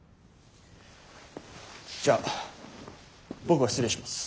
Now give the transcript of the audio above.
じゃあ僕は失礼します。